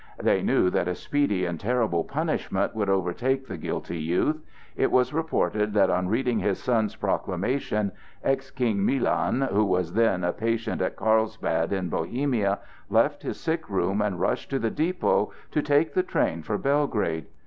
They knew that a speedy and terrible punishment would overtake the guilty youth. It was reported that on reading his son's proclamation, ex King Milan, who was then a patient at Carlsbad in Bohemia, left his sick room and rushed to the depot to take the train for Belgrade.